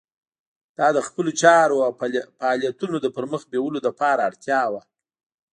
دا د خپلو چارو او فعالیتونو د پرمخ بیولو لپاره اړتیا وه.